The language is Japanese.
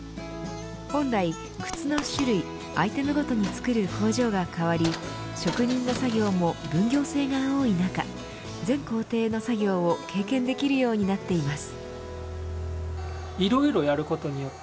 本来、靴の種類アイテムごとに作る工場が変わり職人の作業も分業制が多い中全工程の作業を経験できるようになっています。